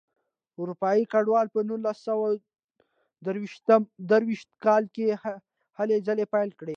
اروپایي کډوالو په نولس سوه درویشت کال کې هلې ځلې پیل کړې.